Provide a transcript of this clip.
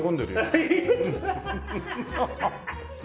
ハハハッ。